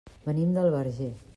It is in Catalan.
Venim del Verger.